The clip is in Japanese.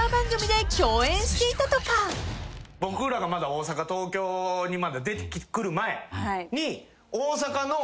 僕らがまだ大阪東京に出てくる前に大阪の。